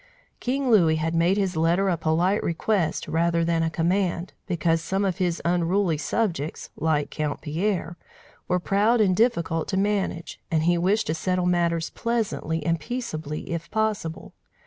King Louis had made his letter a polite request rather than a command, because some of his unruly subjects, like Count Pierre, were proud and difficult to manage, and he wished to settle matters pleasantly and peaceably, if possible.